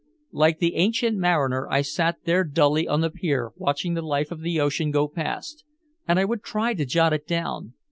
Like the Ancient Mariner I sat there dully on the pier watching the life of the ocean go past, and I would try to jot it down.